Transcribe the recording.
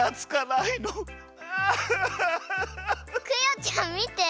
クヨちゃんみて！